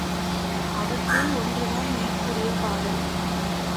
அவற்றுள் ஒன்று தான் மேற்கூறிய பாடல்.